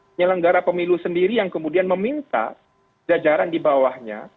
penyelenggara pemilu sendiri yang kemudian meminta jajaran di bawahnya